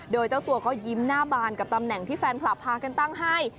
โดยเจ้าตัวก็ยิ้มหน้าบานกับตำแหน่งที่แฟนคลับพากันตั้งให้